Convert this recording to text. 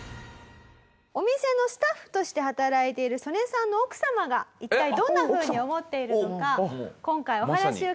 お店のスタッフとして働いているソネさんの奥様が一体どんなふうに思っているのか今回お話伺って参りました。